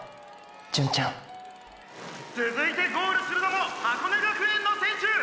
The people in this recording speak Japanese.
純ちゃん「つづいてゴールするのも箱根学園の選手！」